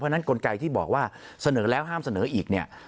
มีคนไกลที่บอกว่าเสนอแล้วห้ามเสนออีกเนี่ย